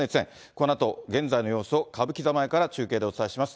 このあと現在の様子を歌舞伎座前から中継でお伝えします。